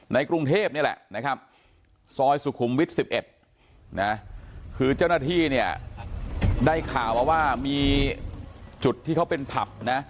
กรุงเทพนี่แหละนะครับซอยสุขุมวิทย์๑๑นะคือเจ้าหน้าที่เนี่ยได้ข่าวมาว่ามีจุดที่เขาเป็นผับนะ